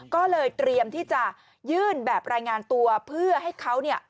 ก็เลยเตรียมที่จะยื่นแบบรายงานตัวเพื่อให้เขาเนี่ย